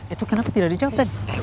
itu kenapa tidak dijawabin